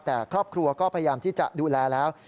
แต่ครอบครัวก็พยายามที่จะดูแลแล้ว